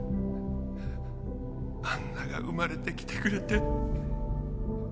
アンナが生まれて来てくれて。